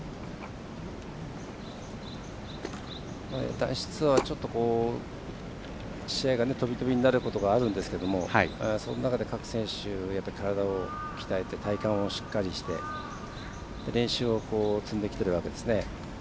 男子ツアーは試合が飛び飛びになることがあるんですがその中で各選手、体を鍛えて体幹をしっかりして練習を積んできてるわけですね。